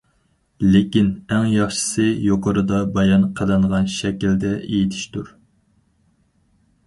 لېكىن، ئەڭ ياخشىسى يۇقىرىدا بايان قىلىنغان شەكىلدە ئېيتىشتۇر.